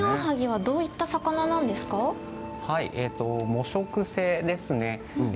藻食性ですね。